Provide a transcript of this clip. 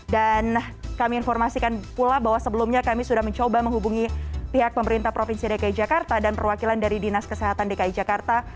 dan kami informasikan pula bahwa sebelumnya kami sudah mencoba menghubungi pihak pemerintah provinsi dki jakarta dan perwakilan dari dinas kesehatan dki jakarta